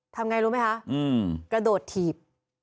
ทำไงรู้ไหมคะกระโดดถีบ